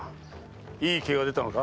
いい卦が出たのか？